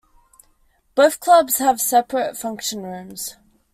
Both clubs have separate function rooms.